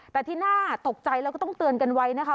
แต่ที่น่าตกใจแล้วก็ต้องเตือนกันไว้นะคะ